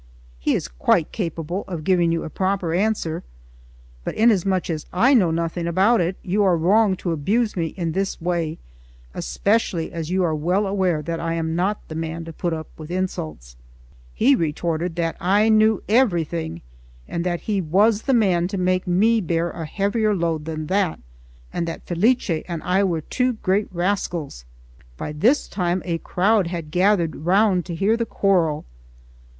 He is quite capable of giving you a proper answer; but inasmuch as I know nothing about it, you are wrong to abuse me in this way, especially as you are well aware that I am not the man to put up with insults." He retorted that I knew everything, and that he was the man to make me bear a heavier load than that, and that Felice and I were two great rascals. By this time a crowd had gathered round to hear the quarrel.